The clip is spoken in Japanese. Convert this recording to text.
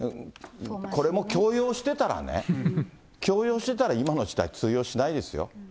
これも強要してたらね、強要してたら、今の時代、通用しないですよ。